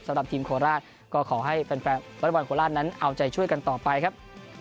สำหรับทีมโคราชก็ขอให้แฟนวอเล็กบอลโคราชนั้นเอาใจช่วยกันต่อไปครับ